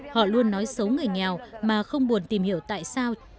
họ luôn nói xấu người nghèo mà không buồn tìm hiểu tại sao